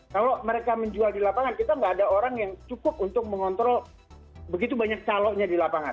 kalau mereka menjual di lapangan kita nggak ada orang yang cukup untuk mengontrol begitu banyak calonnya di lapangan